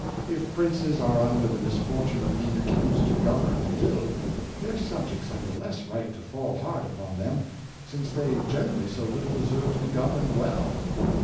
If Princes are under the Misfortune of being accused to govern ill, their Subjects have the less right to fall hard upon them, since they generally so little deserve to be governed well.